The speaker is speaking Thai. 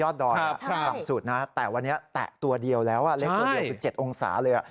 ตามสุดนะแต่วันนี้แตะตัวเดียวเลขตัวเดียว๗องศาเลย